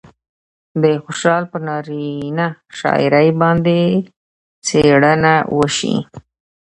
د خوشال پر نارينه شاعرۍ باندې څېړنه وشي